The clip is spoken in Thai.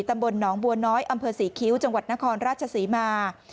ตำบลหนองบัวน้อยอำเภอศรีคิ้วจังหวัดนครราชศรีมา